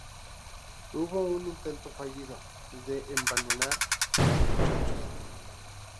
Hubo un intento fallido de envenenar a los muchachos.